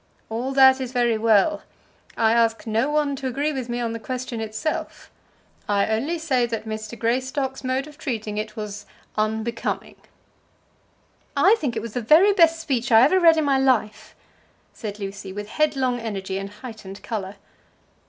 All that is very well. I ask no one to agree with me on the question itself. I only say that Mr. Greystock's mode of treating it was unbecoming." "I think it was the very best speech I ever read in my life," said Lucy, with headlong energy and heightened colour.